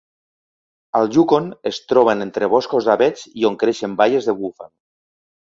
Al Yukon, es troben entre boscos d'avets i on creixen baies de búfal.